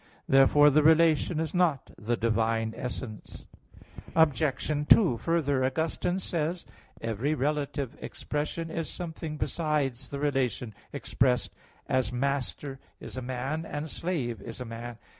Therefore the relation is not the divine essence. Obj. 2: Further, Augustine says (De Trin. vii) that, "every relative expression is something besides the relation expressed, as master is a man, and slave is a man."